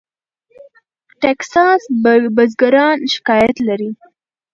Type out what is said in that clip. ټیکساس بزګران شکایت لري.